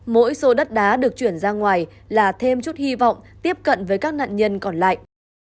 mỗi số đất đá được chuyển ra ngoài là thêm chút hy vọng tiếp cận với các nạn nhân còn lại